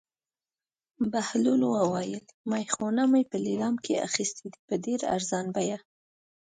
بهلول وویل: مېخونه مو په لېلام کې اخیستي دي په ډېره ارزانه بیه.